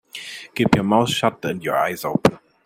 Keep your mouth shut and your eyes open.